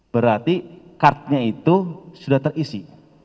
berarti kartnya itu sudah terisi